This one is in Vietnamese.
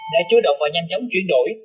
đã chú động và nhanh chóng chuyển đổi